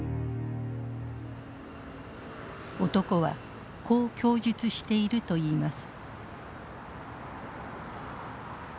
男はこう供述しているといいます。